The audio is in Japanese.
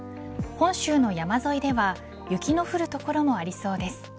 本州の山沿いでは雪の降る所もありそうです。